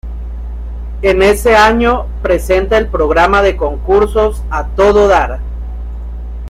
En ese año presenta el programa de concursos, A todo dar.